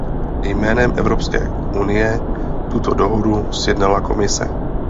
Jménem Evropské unie tuto dohodu sjednala Komise.